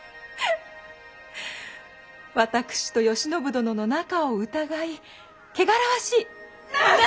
私と慶喜殿の仲を疑い「汚らわしい！」。